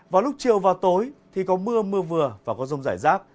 vào lúc chiều và tối thì có mưa mưa vừa và có rông rải rác